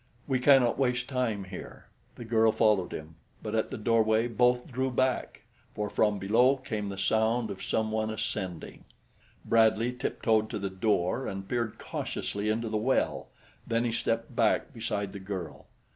"We cannot waste time here." The girl followed him; but at the doorway both drew back, for from below came the sound of some one ascending. Bradley tiptoed to the door and peered cautiously into the well; then he stepped back beside the girl.